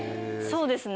そうですね。